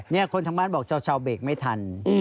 นี่คนทางบ้านบอกชาวเบรกไม่ทัน